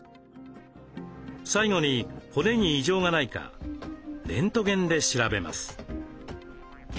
最後に骨に異常がないかレントゲンで調べます。